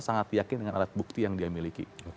sangat yakin dengan alat bukti yang dia miliki